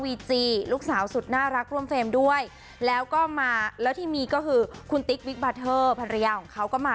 จีลูกสาวสุดน่ารักร่วมเฟรมด้วยแล้วก็มาแล้วที่มีก็คือคุณติ๊กบิ๊กบาเทอร์ภรรยาของเขาก็มา